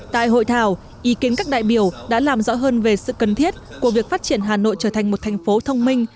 tại hội thảo ý kiến các đại biểu đã làm rõ hơn về sự cần thiết của việc phát triển hà nội trở thành một thành phố thông minh